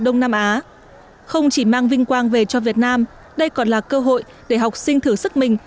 đông nam á không chỉ mang vinh quang về cho việt nam đây còn là cơ hội để học sinh thử sức mình